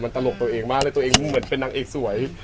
ตลกตัวเองมากเลยตัวเองเหมือนเป็นนางเอกสวย